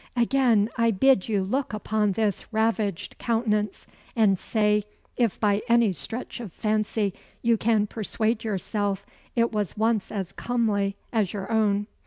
Again, I bid you look upon this ravaged countenance, and say, if by any stretch of fancy you can persuade yourself it was once as comely as your own.